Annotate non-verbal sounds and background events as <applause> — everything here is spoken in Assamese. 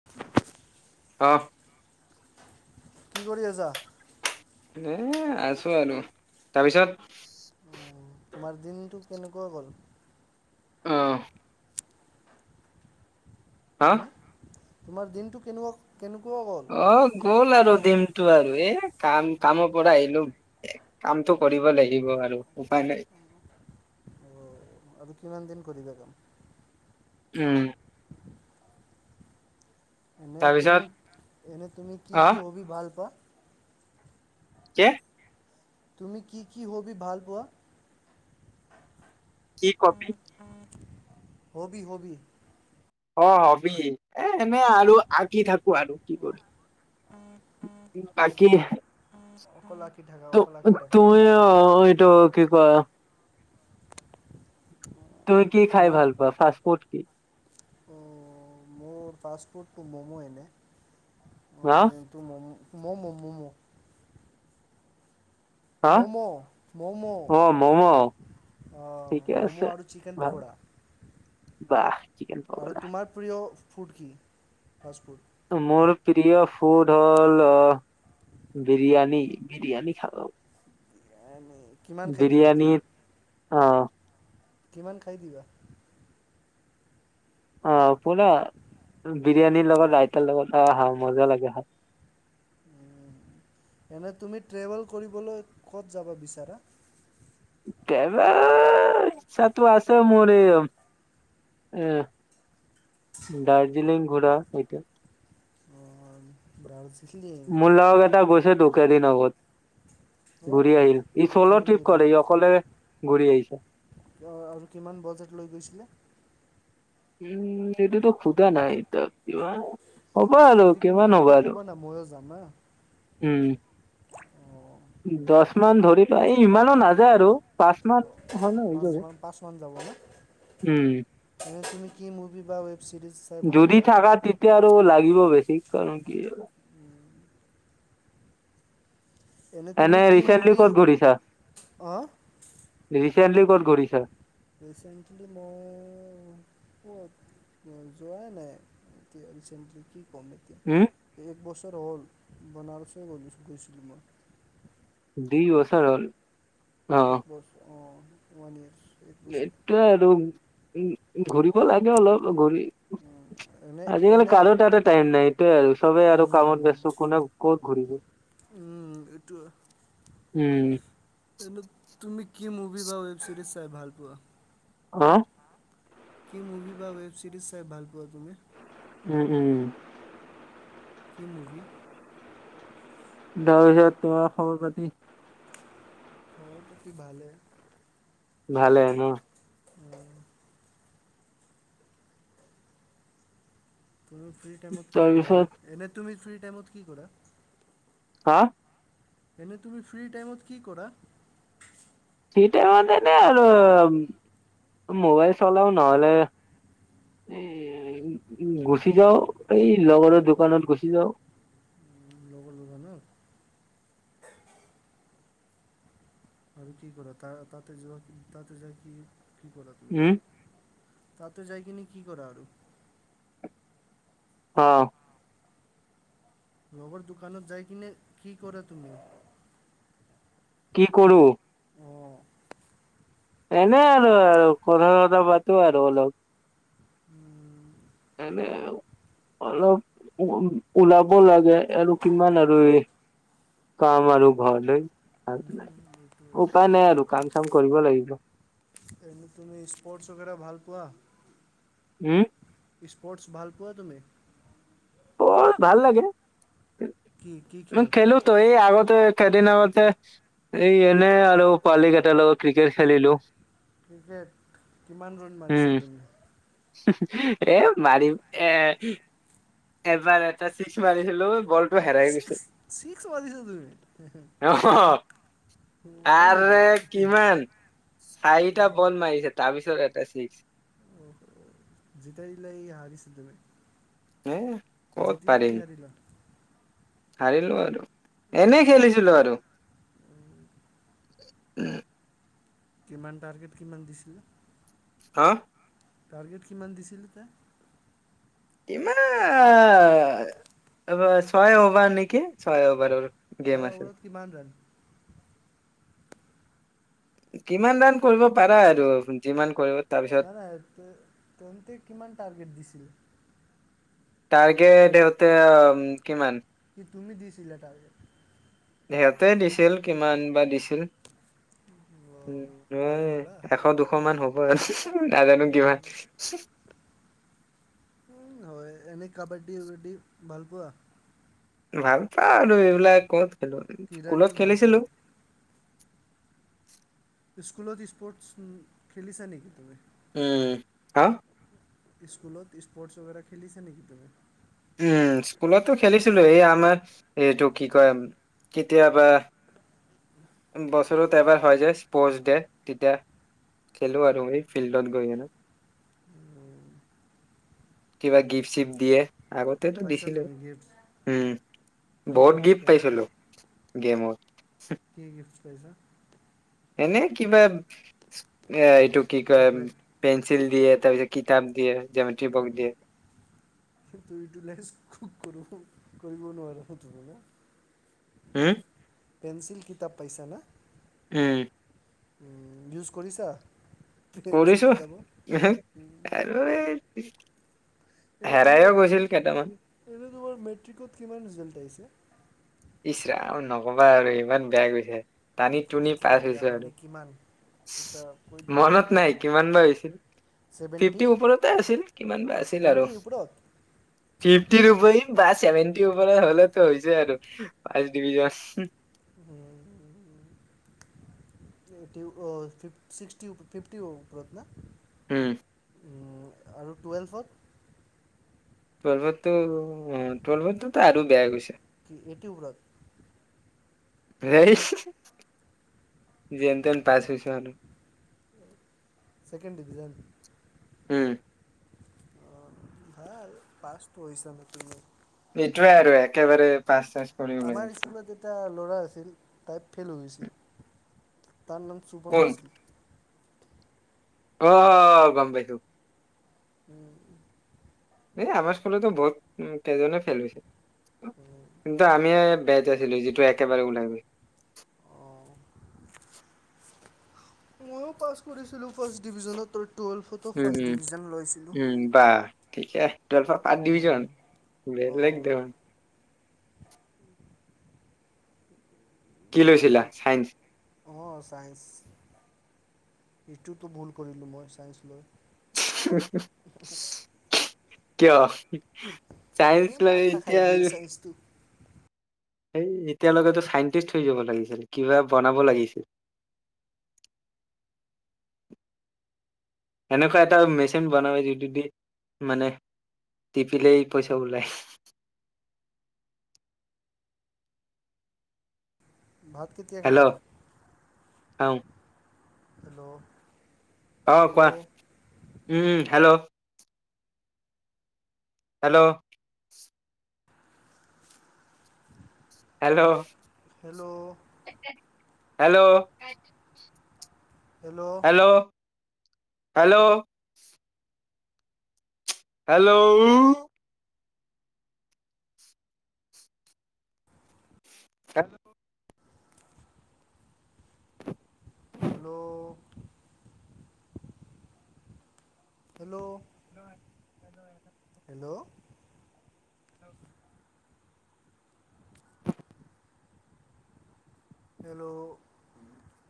<unintelligible> অঁহ কি কৰি আছা? এ আছো আৰু, তাৰপিছত উম, তোমাৰ দিনটো কেনেকুৱা গ'ল? অ', হা হম, তোমাৰ দিনটো কেনেকুৱা কেনেকুৱা গল? অ গ'ল আৰু দিনটো আৰু, এ কাম কামৰ পৰা আহিলো। কামটো কৰিব লাগিব আৰু উপায় নাই। অ' আৰু কিমান দিন কৰিবা কাম? উম। এনেই তাৰপিছত তুমি, এনে তুমি কি কি অ', হবি ভাল পোৱা? কি? তুমি কি কি হ'বি ভাল পোৱা? কি কপি? <unintelligible> Hobby hobby. অঁ হবি, এ এনেই আৰু আঁকি থাকো আৰু কি কৰি। আঁকি অকল আঁকি থাকা, অকল আঁকি থাকা। অঁ এইটো কি কয় তুমি কি খায় তোমাৰ ভাল পোৱা ফাষ্টফুড? অ' মোৰ ফাষ্ট ফুডটো ম'ম' এনে হা <inaudible> তটো মম' ম'ম ম'ম। হা ম'ম' ম'ম'। অ', ম'ম' অঁ ঠিকে আছে। ম'ম' আৰু চিকেন ভাল পকৰা। বাহ চিকেন পকৰা! প্ৰিয় ফুড কি? Fast food. মোৰ প্ৰিয় ফুড হ'ল অ বিৰিয়ানী, বিৰিয়ানী খালোঁ। কিমান খায় দিবা তুমি? বিৰিয়ানীত অ', কিমান খায় দিবা? অঁ পোৰা, বিৰিয়ানীৰ লগত ৰাইতাৰ লগত আহ আহা মজা লাগে খায়। এনেই তুমি ট্ৰেভেল কৰিবলৈ ক'ত যাব বিচাৰা? ট্ৰেভেল, ইচ্ছাটো আছে মোৰ এই এহ, দাৰ্জিলিং ঘূৰা এইটো। অ দাৰ্জিলিং। মোৰ লগৰ কেইটা গৈছে তো। কেইদিন আগত, অঁ ঘূৰি আহিল, ই চ'ল' কিমান ট্ৰিপ কৰে অকলে ঘূৰি আহিছে। অঁ আৰু কিমান বাজেট লৈ গৈছিলে? উম এইটোতো সুধা নাই তাক কিবা হ'ব আৰু সুধি কিনে কিমান হ'ব মোকো আৰু ক'বা না ময়ো যাম হা উম। অঁ দছ মান ধৰি লোৱা, এই ইমানো নাযায় আৰু! পাঁচ মাহ হ'লে হৈ পাঁচমান পাঁচমান ন যাব উম। এনে তুমি কি মুভি বা ৱেব ছিৰিজ চাই ভাল যদি পোৱা থাকা, তেতিয়া আৰু লাগিব বেছি, কাৰণ কি আৰু। এনে তুমি কি ৰিচেন্টলি মুভি ক'ত ঘূৰিছা, অঁ ৰিচেন্টলি ক'ত ঘূৰিছা? ৰিচেণ্টলি মই। ক'ত মই যোৱাই নাই। এতিয়া ৰিচেন্টলি কি, কম এতিয়া। উম। এক বছৰ হ'ল, বনাৰসে গৈছিলোঁ মই। দুই বছৰ হ'ল। অ', এক বছৰ অ', ওৱান ইয়াৰচ। এইটোৱেই আৰু, উম, ঘূৰিব লাগে অলপ, ঘূৰি এনে আজিকালি এনে কাৰো তাতে টাইম নাই, এইটোয়ে আৰু, সবেই আৰু কামত উম, ব্যস্ত, কোনে ক'ত ঘূৰিব। উম, এইটো হয়। উম। এনে তুমি কি মুভি বা ৱেব ছিৰিজ চাই ভাল পোৱা, অ', অ'। কি মুভি বা ৱেব ছিৰিজ চাই ভাল পোৱা তুমি? উম, উম। কি মুভি? তাৰপিছত, তোমাৰ খবৰ পাতি। খৱৰ-পাতি ভালে। ভালে ন। উম। তুমি ফ্ৰী টাইমত কি কৰা? তাৰপিছত এনে, তুমি ফ্ৰী টাইমত কি কৰা? হা। এনে, তুমি ফ্ৰী টাইমত কি কৰা? ফ্ৰী টাইমত এনে আৰু। মোবাইল চলাওঁ, নহ'লে এ গুচি যাওঁ, এই লগৰৰ দোকানত গুচি যাওঁ। উম, লগৰ দোকানত। আৰু কি কৰা, তা তাতে যোৱা, তাতে যায় কি কৰা তুমি? উম তাতে যায় কিনি, কি কৰা আৰু? অ'। লগৰ দোকানত যায় কিনে, কি কৰা তুমি? কি কৰোঁ। অ'। এনেই আৰু, কথা-চথা, পাতোঁ আৰু অলপ। উম। এনে আৰু। অলপ উ ওলাব লাগে, আৰু কিমান আৰু এই কাম আৰু ঘৰতে, এইটোৱে উপায় নাই আৰু, কাম-চাম কৰিব লাগিব। এনে তুমি, স্পৰ্টছ ৱেগেৰা ভাল পোৱা। উম। স্পৰ্টছ, ভাল পোৱা তুমি? বৰ ভাল লাগে, কি কি খেল মই খেলোঁ। টো এই আগতে, কেইদিন আগতে এই এনেই আৰু, পোৱালী কেইটাৰ লগত, ক্ৰিকেট খেলিলোঁ। ক্ৰিকেট কিমান ৰণ উম মাৰিছা তুমি? এ মাৰিম এ এবাৰ এটা ছিক্স মাৰিছিলো, বল <unintelligible> ছিক্স, ছিক্স মাৰিছা তুমি? অ', হয় নেকি আৰে কিমান চাৰিটা বল মাৰিছে। তাৰপিছত এটা চিক্স। অহ, যেতিয়া গিলা এই হাৰিছিলি তুমি। এ ক'ত জিতিলা পাৰিম কি হাৰিলা? হাৰিলো আৰু, এনে খেলিছিলো আৰু। কিমান টাৰ্গেট কিমান দিছিলে? হা? টাৰ্গেট কিমান দিছিল এটে? কিমান এইব ছয় অভাৰ নেকি ছয় অভাৰ আৰু। ছয় অভাৰৰত কিমান ৰান? কিমান ৰান কৰিব পাৰা আৰু যিমান কৰিব। তাৰপিছত নাই নাই, তহঁতে কিমান টাৰ্গেট দিছিল? টাৰ্গেত ইহতে কিমান? কি তুমি দিছিলা টাৰ্গেট? সিহঁতে দিছিল, কিমান বা দিছিল। উম, ম পাহৰি গ'লা এশ দুশ মান হ'ব। নাজানো কিমান? উম, হয়, এনেই কাবাড্ডী-উবাডি ভাল পোৱা? ভাল পাও আৰু এইবিলাক ক'ত খেলো, কি ৰানিং স্কুলত ভাল পোৱা খেলিছিলো। স্কুলত স্পৰ্টছ খেলিছা নেকি তুমি? উম, হা? স্কুলত স্পৰ্টছ বাগেৰা খেলিছা নেকি তুমি? উম, স্কুলতো খেলিছিলো, এই আমাৰ এটো কি কয় কেতিয়াবা বছৰত এবাৰ হয় যে স্পৰ্টচ ডে তেতিয়া। খেলো আৰু এই ফিল্ডত গৈ কেনে। উম। কিবা গিফ্ট-চিফ্ট দিয়ে, আগতেতো পাইছা দিছিলে তুমি গিফ্টছ উম। কি বহুত গিফ্টছ গিফ্ট পাইছা পাইছিলো, গেমত। কি গিফ্ট পাইছা? এনে কিবা এ এইটো কি কয় চকলেট পেন্ঞ্চিল দিয়ে, তাৰ পিছ কিতাপ দিয়ে, জামেট্ৰি বক্স দিয়ে। <unintelligible> হম? পেঞ্চিল কিতাপ পাইচা না? উম। উম, ইউজ কৰিছা, পেঞ্চিল কৰিছো কিতাবৰ? আৰু <unintelligible> এনে তোমাৰ হেৰাইও গৈছিল কেইটামান এনে তোমাৰ মেট্ৰিকত কিমান ৰিজাল্ট আহিছে? ইচ্ ৰাম নক'বা আৰু ইমান বেয়া গৈছে, টানি টুনি কি পাছ বিয়া হৈছো মানে আৰু। কিমান, এটা কৈ দিয়া মোক? মনত নাই কিমান বা হৈছিল ছেভেণ্টি ফিফটিৰ ওপৰতে আছিল, কিমান বা আছিল আৰু। ছেভেণ্টি ওপৰত ফিফটিৰ ওপৰি বা ছেভেনটিৰ ওপ হ'লেতো হৈ যায় আৰু। <unintelligible> <inaudible> টিও ফ-ফিফ-ছিক্সটি ওপ ফিফটি ওপৰত না? উম। আৰু টুৱেলভত টুৱেলভতটো অ' টুৱেলভতটো তাই আৰু বেয়া গৈছে। এইটটি ওপৰত। যেন তেন পাছ হৈছোঁ আৰু ছেকেণ্ড ডিভিজন। উম। অ' সেয়া আৰু পাছ <unintelligible> ইটোৱে আৰু একেবাৰে পাছ টেন্স আমাৰ স্কুলত এটা ল'ৰা আছিল। তাই ফেইল হৈছিল। তাৰ নাম চুপন কোন মাছলি অ' গম পাইছোঁ। উম। এই আমাৰ স্কুলতো বহুত কেইজনে ফেল হৈছে। কিন্তু আমি যিটো ওলাই <unintelligible> অ'। ময়ো পাছ কৰিছিলোঁ ফাৰ্ষ্ট ডিভিজনত টু- টুৱেল্ভত। উম, উম বা ঠিকে। টুৱেলফা ফাষ্ট ডিভিজন, বেলেগ অঁ দে আ কি লৈছিলা চাইন্স? অ', চাইন্স। এইটোতো ভুল কৰিলোঁ মই ছাইন্স লৈ। কিয়? চাইন্স এই লৈ মাথা খাই এতিয়া দিয়ে ছায়েন্সটো এই এতিয়ালৈকেতো চাইণ্টিষ্ট হৈ যাব লাগিছিল। কিবা বনাব লাগিছিল। এনেকুৱা এটা মেচিন বনাবা যিটো দি মানে টিপিলেই পইচা ওলাই যায়। ভাত কেতিয়া খাবা? হেল্ল' চাওঁ, হেল্ল'! অ', কোৱা। Hello um hello! Hello! Hello! Hello hello'' hello!, hello!. Hello! <inaudible> Hello!, hello! <inaudible> Hello! <inaudible> Hello!